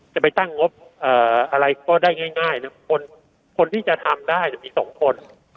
จะไปตั้งงบอะไรก็ได้ง่ายนะคนที่จะทำได้มี๒คน